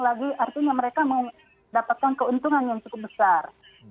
artinya mereka mendapatkan keuntungan yang cukup besar